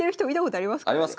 ありますか？